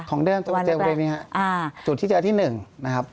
ของเดิมเจอบริเวณนี้ครับจุดที่เจอที่๑นะครับ